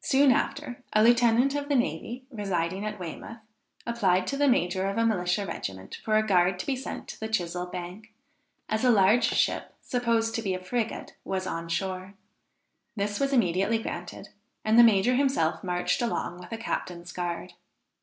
Soon after, a lieutenant of the navy, residing at Weymouth, applied to the major of a militia regiment, for a guard to be sent to the Chisell Bank, as a large ship, supposed to be a frigate, was on shore. This was immediately granted, and the major himself marched along with a captain's guard.